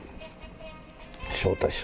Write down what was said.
昇太師匠。